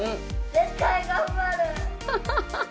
絶対頑張る。